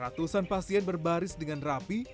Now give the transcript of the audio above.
ratusan pasien berbaris dengan rapi